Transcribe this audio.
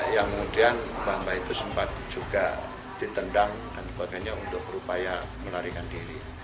yang kemudian bambang itu sempat juga ditendang dan sebagainya untuk berupaya menarikan diri